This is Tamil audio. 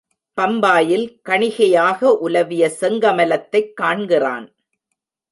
பம்பாயிலே கணிகையாக உலவிய செங்கமலத்தைக் காண்கிறான்!